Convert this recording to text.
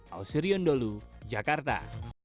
ausirion dolu jakarta